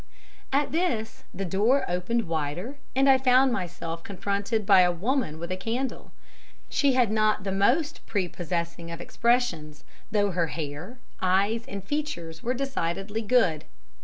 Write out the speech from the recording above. "At this the door opened wider, and I found myself confronted by a woman with a candle. She had not the most prepossessing of expressions, though her hair, eyes and features were decidedly good.